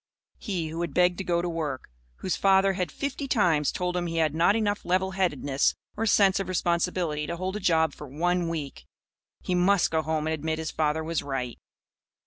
He, who had begged to go to work, whose father had fifty times told him he had not enough level headedness or sense of responsibility to hold a job for one week, he must go home and admit his father was right.